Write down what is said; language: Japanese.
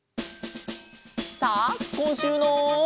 さあこんしゅうの。